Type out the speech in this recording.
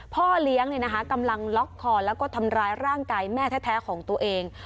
พ่อเลี้ยงกำลังล็อกคอแล้วก็ทำร้ายร่างกายแม่แท้ของตัวเอง